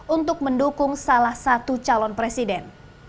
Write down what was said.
untuk mendukung salah satu calon presiden